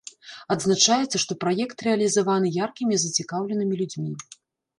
Адзначаецца, што праект рэалізаваны яркімі і зацікаўленымі людзьмі.